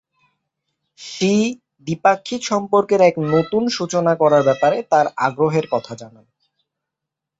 She দ্বিপাক্ষিক সম্পর্কের এক নতুন সূচনা করার ব্যাপারে তার আগ্রহের কথা জানান।